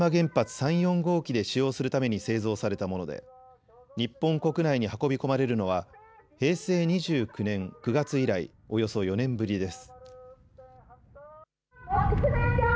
３、４号機で使用するために製造されたもので日本国内に運び込まれるのは平成２９年９月以来、およそ４年ぶりです。